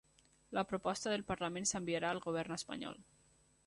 La proposta del Parlament s'enviarà al govern espanyol